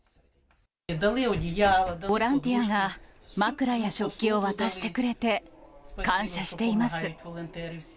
ボランティアが枕や食器を渡してくれて感謝しています。